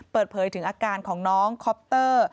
เปิดเผยถึงอาการของน้องคอปเตอร์